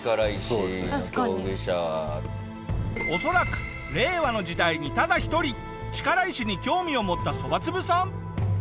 恐らく令和の時代にただ一人力石に興味を持ったそばつぶさん。